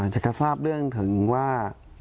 อยากทราบเรื่องถึงว่า